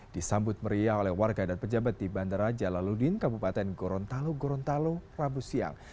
disambut meriah oleh warga dan pejabat di bandara jalaludin kabupaten gorontalo gorontalo rabu siang